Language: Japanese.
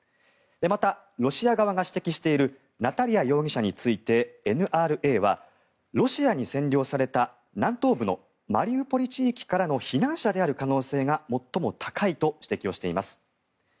また、ロシア側が指摘しているナタリア容疑者についてＮＲＡはロシアに占領された南東部のマリウポリ地域からの避難者である可能性が最も高いと指摘をしています。